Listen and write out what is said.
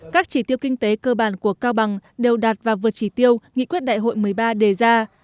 các nỗ lực của cao bằng đều đạt và vượt trì tiêu nghị quyết đại hội một mươi ba đề ra